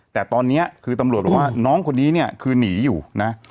แต่ตอนนี้คือตำรวจบอกว่าน้องคนนี้เนี่ยคือหนีอยู่นะ